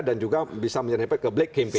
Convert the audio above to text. dan juga bisa menyerempet ke black campaign